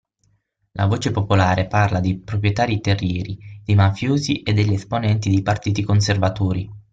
La voce popolare parla dei proprietari terrieri, dei mafiosi e degli esponenti dei partiti conservatori.